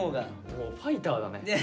もうファイターだね。